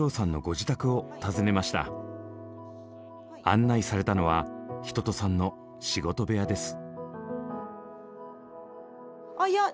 案内されたのは一青さんの仕事部屋です。